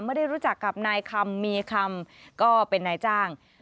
ไม่ได้รู้จักกับนายคำมีคำก็เป็นนายจ้าง